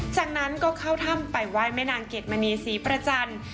จากนั้นก็เข้าถ้ำไปไหว้แม่นางเกดมณีศรีประจันทร์